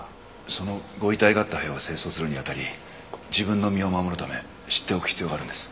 そのご遺体があった部屋を清掃するに当たり自分の身を守るため知っておく必要があるんです。